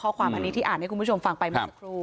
ข้อความอันนี้ที่อ่านให้คุณผู้ชมฟังไปเมื่อสักครู่